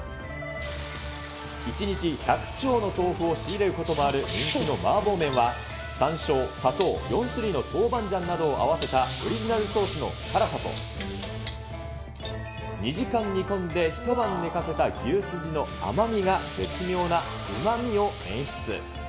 １日１００丁の豆腐を仕入れることもある、人気の麻婆麺はさんしょう、砂糖、４種類の豆板醤などを合わせたオリジナルの辛さと、２時間煮込んで一晩寝かせた牛すじの甘みが絶妙なうまみを演出。